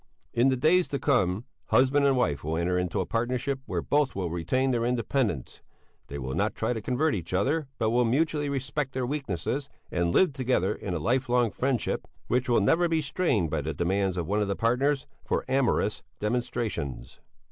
In the days to come, husband and wife will enter into a partnership where both will retain their independence; they will not try to convert each other, but will mutually respect their weaknesses, and live together in a life long friendship which will never be strained by the demands of one of the partners for amorous demonstrations.